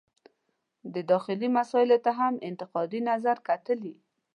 د داخلي مسایلو ته هم انتقادي نظر کتلي.